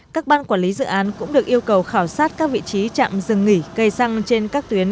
các ban quản lý dự án cũng được yêu cầu khảo sát các vị trí chạm dừng nghỉ cây xăng trên các tuyến